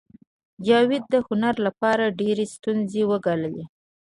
جاوید د هنر لپاره ډېرې ستونزې وګاللې